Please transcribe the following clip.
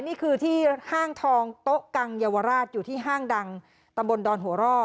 นี่คือที่ห้างทองโต๊ะกังเยาวราชอยู่ที่ห้างดังตำบลดอนหัวร่อ